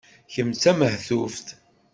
Kemm d tamehtuft.